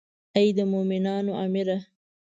ای د مومنانو امیره.